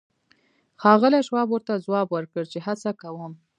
ښاغلي شواب ورته ځواب ورکړ چې هڅه کوم